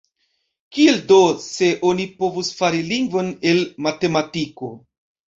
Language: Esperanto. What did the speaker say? Kiel do, se oni povus fari lingvon el matematiko?